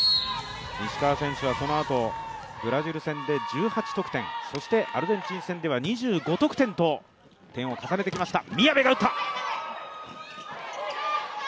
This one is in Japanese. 石川選手はこのあとブラジル戦で１８得点、そしてアルゼンチン戦では２５得点と点を重ねてきました。